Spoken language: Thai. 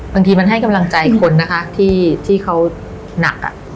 บางทีมันให้กำลังใจคนนะคะที่เขาหนัก